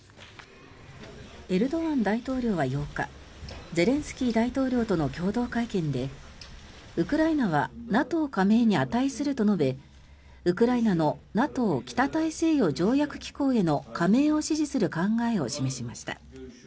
エルドアン大統領は８日ゼレンスキー大統領との共同会見でウクライナはＮＡＴＯ加盟に値すると述べウクライナのＮＡＴＯ・北大西洋条約機構への加盟を支持する考えを示しました。